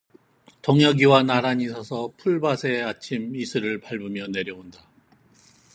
동혁이와 나란히 서서 풀밭의 아침 이슬을 밟으며 내려온다.